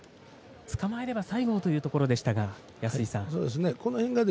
つかまえれば西郷というところでしたね。